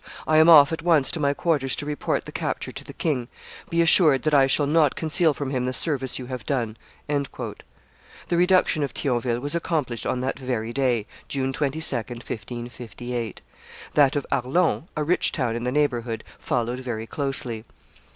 I am off at once to my quarters to report the capture to the king. Be assured that I shall not conceal from him the service you have done." The reduction of Thionville was accomplished on that very day, June 22, 1558. That of Arlon, a rich town in the neighborhood, followed very closely.